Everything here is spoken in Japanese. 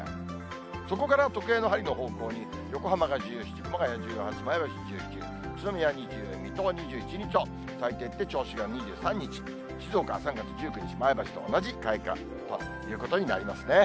そこから時計の針の方向に、横浜が１７、熊谷１８、前橋１９、宇都宮２０、水戸が２１日と、銚子が２３日、静岡は３月１９日、前橋と同じ開花ということになりますね。